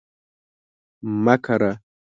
مه کره